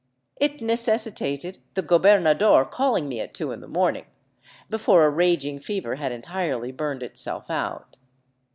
It necessitated the gobernador calling me at two in the morning, be fore a raging fever had entirely burned itself out.